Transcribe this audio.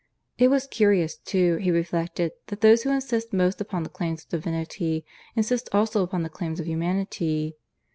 It was curious, too, he reflected, that those who insist most upon the claims of Divinity insist also upon the claims of humanity.